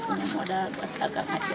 ini modal buat dagang aja